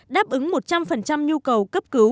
đáp ứng một trăm linh nhu cầu cấp cứu